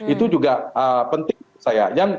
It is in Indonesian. itu juga penting menurut saya